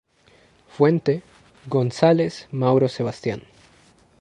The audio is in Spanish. Fuente: "Gonzalez, Mauro Sebastian.